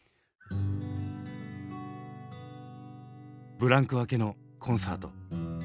ブランク明けのコンサート。